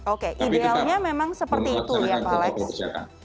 oke idealnya memang seperti itu ya pak alex